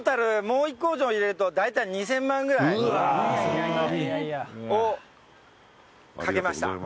もう１工場入れると、大体２０００万ぐらいをかけました。